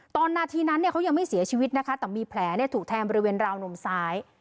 นาทีนั้นเขายังไม่เสียชีวิตนะคะแต่มีแผลถูกแทงบริเวณราวนมซ้าย